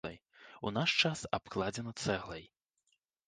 У наш час абкладзена цэглай.